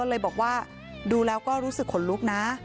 เลยบอกว่าดูแล้วก็รู้สึกขนลุกนะ